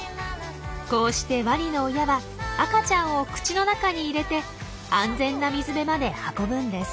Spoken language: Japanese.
こうしてワニの親は赤ちゃんを口の中に入れて安全な水辺まで運ぶんです。